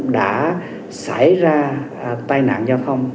đã xảy ra tai nạn giao thông